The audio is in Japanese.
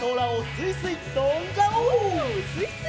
すいすい！